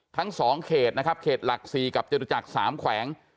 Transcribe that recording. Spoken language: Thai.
ทั้ง๒เขตขหลัก๔กับจตุจักร๓แขวง